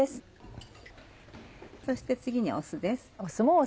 そして次に酢です。